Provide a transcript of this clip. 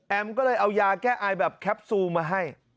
ก็เลยเอายาแก้ไอแบบแคปซูลมาให้